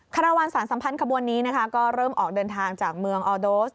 คาราวานสารสัมพันธ์ขบวนนี้นะคะก็เริ่มออกเดินทางจากเมืองออโดส